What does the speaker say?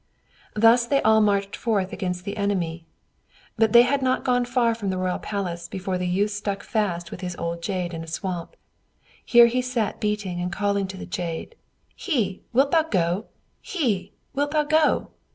Thus they all marched forth against the enemy, but they had not gone far from the royal palace before the youth stuck fast with his old jade in a swamp. Here he sat beating and calling to the jade, "Hie! wilt thou go? hie! wilt thou go?"